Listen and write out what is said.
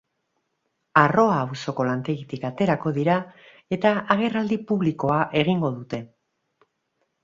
Arroa auzoko lantegitik aterako dira eta agerraldi publikoa egingo dute.